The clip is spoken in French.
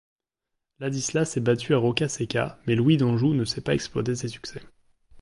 Ladislas est battu à Roccasecca, mais Louis d'Anjou ne sait pas exploiter ses succès.